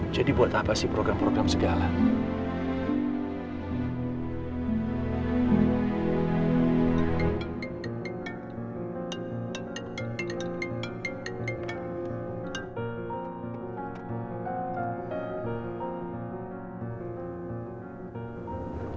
jadi buat tak pasti program program segala itu